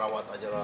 rawat aja lah ya